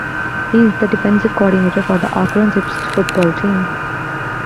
He is the defensive coordinator for the Akron Zips football team.